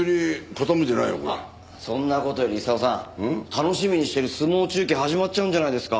楽しみにしてる相撲中継始まっちゃうんじゃないですか？